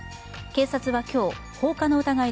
警察は今日、放火の疑い